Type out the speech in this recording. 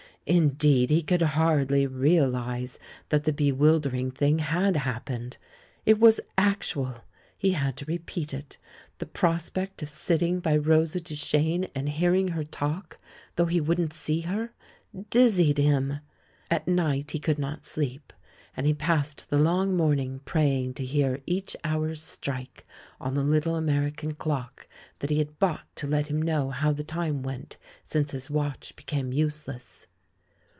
Indeed, he could hardly realise that the be wildering thing had happened. It was actual! he had to repeat it. The prospect of sitting by THE LAURELS AND THE LADY 107 Rosa Duchene and hearing her talk, though he wouldn't see her, dizzied him. At night he could not sleep ; and he passed the long morning pray ing to hear each hour strike on the little Ameri can clock that he had bought to let him know how the time went since his watch became useless.